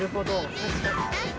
確かに。